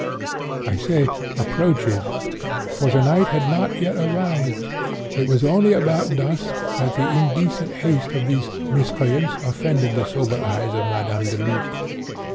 "I say approaches; for the night had not yet arrived. It was only about dusk that the indecent haste of these 'miscreants' offended the sober eyes of Madame Deluc.